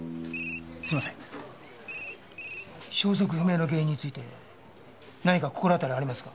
消息不明の原因について何か心当たりはありますか？